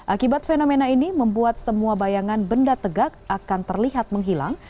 akibat fenomena ini membuat semua bayangan benda tegak akan terlihat menghilang